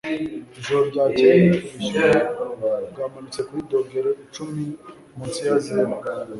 Ijoro ryakeye, ubushyuhe bwamanutse kuri dogere icumi munsi ya zeru.